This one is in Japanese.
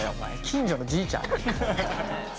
近所のじいちゃん？